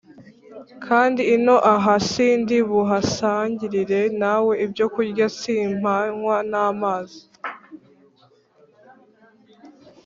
kandi ino aha sindi buhasangirire nawe ibyokurya, simpanywa n’amazi,